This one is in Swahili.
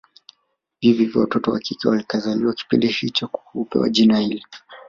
Hivyo watoto wakike wakizaliwa kipindi hicho hupewa jina hili